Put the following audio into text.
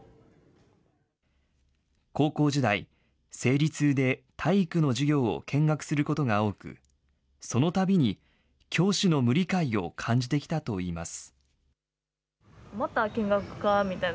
高校時代、生理痛で体育の授業を見学することが多く、そのたびに教師の無理解を感じてきたといいます。